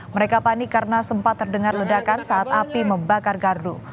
mereka panik karena sempat terdengar ledakan saat api membakar gardu